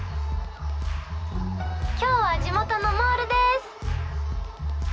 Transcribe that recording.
今日は地元のモールです。